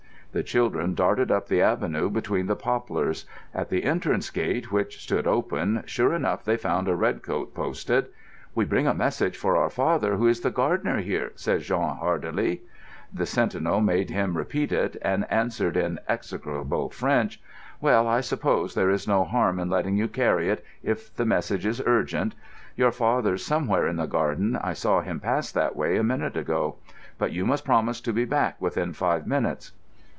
The children darted up the avenue between the poplars. At the entrance gate, which stood open, sure enough they found a red coat posted. "We bring a message for our father, who is the gardener here," said Jean, hardily. The sentinel made him repeat it, and answered in execrable French. "Well, I suppose there is no harm in letting you carry it, if the message is urgent. Your father's somewhere in the garden; I saw him pass that way a minute ago. But you must promise to be back within five minutes."